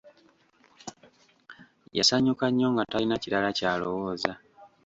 Yasanyuka nnyo nga talina kirala ky'alowooza.